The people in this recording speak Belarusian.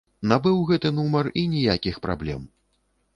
Набыў гэты нумар і ніякіх праблем.